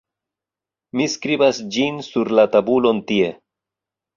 mi skribas ĝin sur la tabulon tie.